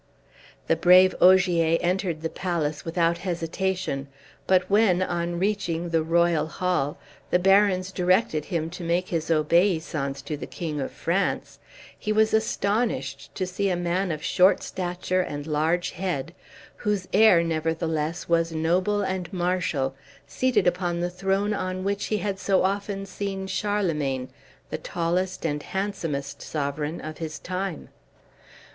The brave Ogier entered the palace without hesitation; but when, on reaching the royal hall, the barons directed him to make his obeisance to the King of France, he was astonished to see a man of short stature and large head, whose air, nevertheless, was noble and martial, seated upon the throne on which he had so often seen Charlemagne, the tallest and handsomest sovereign of his time.